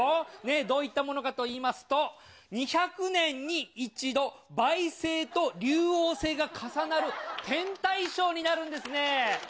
どういったものかといいますと、２００年に一度、梅星と竜王星が重なる天体ショーになるんですね。